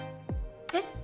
えっ？